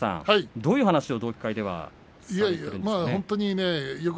どういう話を同期会ではされているんですか。